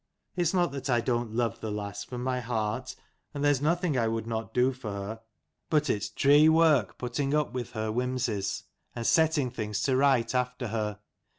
It's not that I don't love the lass from my heart, and there's nothing I would not do for her. 172 But its dreigh work putting up with her whimsies, and setting things to right after her.